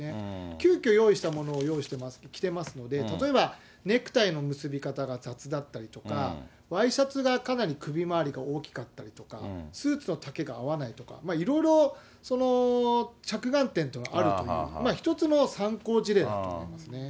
急きょ用意したものを着てますので、例えばネクタイの結び方が雑だったりとか、ワイシャツがかなり首回りが大きかったりとか、スーツの丈が合わないとか、いろいろ着眼点はあると思うので、一つの参考事例だと思いますね。